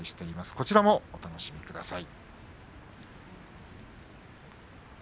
こちらもお楽しみください。